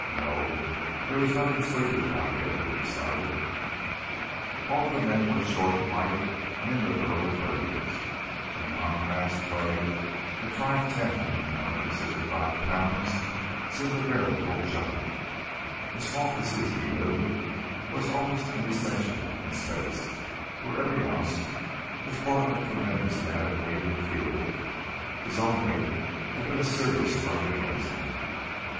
No, there was nothing sleepy about him, he decided. All of the men were short, light, in their early thirties. In contrast Crag, at 5' 10" and 165 pounds, seemed a veritable giant. A small physique, he knew, was almost an essential in space, where every ounce was bought at tremendous added weight in fuel. His own weight had been a serious strike against him.